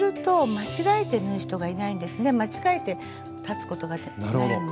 間違えて裁つことがないんで。